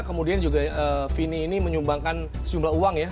kemudian juga vini ini menyumbangkan sejumlah uang ya